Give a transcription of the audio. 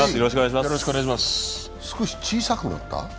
少し小さくなった？